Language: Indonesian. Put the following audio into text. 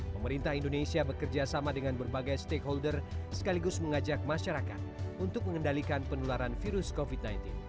pemerintah indonesia bekerjasama dengan berbagai stakeholder sekaligus mengajak masyarakat untuk mengendalikan penularan virus covid sembilan belas